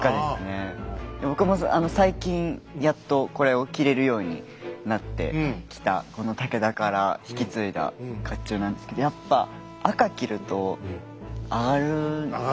僕も最近やっとこれを着れるようになってきたこの武田から引き継いだ甲冑なんですけどやっぱアガる！